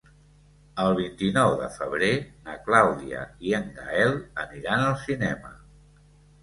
El vint-i-nou de febrer na Clàudia i en Gaël aniran al cinema.